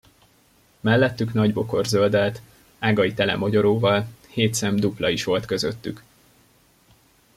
Mellettük nagy bokor zöldellt, ágai tele mogyoróval; hét szem dupla is volt közöttük.